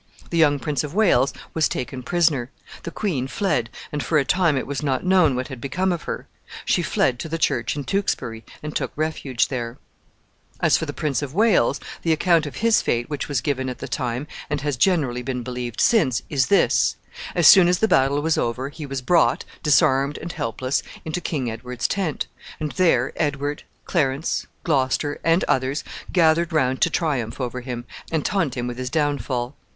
The young Prince of Wales was taken prisoner. The queen fled, and for a time it was not known what had become of her. She fled to the church in Tewkesbury, and took refuge there. [Illustration: CHURCH AT TEWKESBURY.] As for the Prince of Wales, the account of his fate which was given at the time, and has generally been believed since, is this: As soon as the battle was over, he was brought, disarmed and helpless, into King Edward's tent, and there Edward, Clarence, Gloucester, and others gathered around to triumph over him, and taunt him with his downfall.